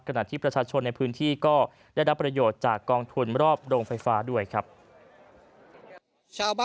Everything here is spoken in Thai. ขณะที่ประชาชนในพื้นที่ก็ได้รับประโยชน์จากกองทุนรอบโรงไฟฟ้าด้วยครับ